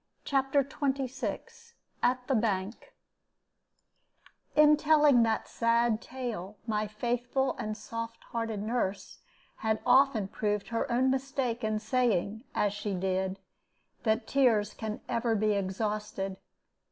CHAPTER XXVI AT THE BANK In telling that sad tale my faithful and soft hearted nurse had often proved her own mistake in saying, as she did, that tears can ever be exhausted.